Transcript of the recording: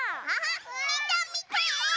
みてみて！